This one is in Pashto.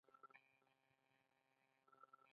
دوی د کابل حکومت نه مانه او هر وخت به یاغي وو.